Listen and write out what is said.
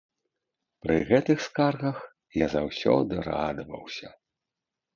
Пры гэтых скаргах я заўсёды радаваўся.